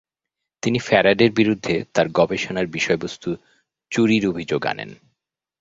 তিনি ফ্যারাডের বিরুদ্ধে তার গবেষণার বিষয়বস্তু চুরির অভিযোগ আনেন।